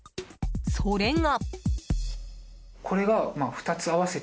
それが。